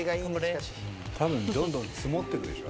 たぶんどんどん積もってくでしょ。